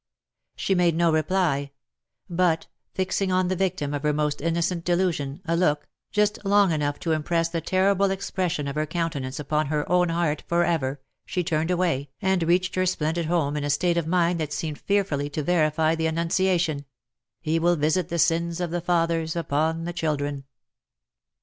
She made no re ply ; but, fixing on the victim of her most innocent delusion, a look, just long enough to impress the terrible expression of her countenance upon her own heart for ever, she turned away, and reached her splen did home in a state of mind that seemed fearfully to verify the annun ciation, " He will visit the sins of the fathers upon the children.